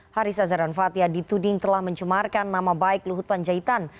haris azhar dan fathia dituding telah mencemarkan nama baik luhut panjaitan